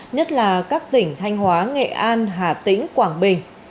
nhất là các tỉnh thanh hóa nghệ an hà tĩnh quảng bình